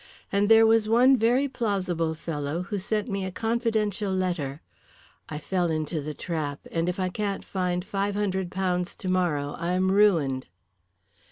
And there was one very plausible fellow who sent me a confidential letter. I fell into the trap, and if I can't find £500 tomorrow I am ruined."